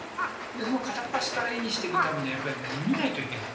片っ端から絵にしていくためにはやっぱり見ないといけない。